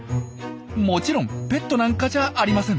もちろんペットなんかじゃありません。